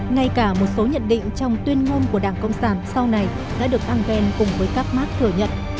ngay cả một số nhận định trong tuyên ngôn của đảng cộng sản sau này đã được engel cùng với các mark thừa nhận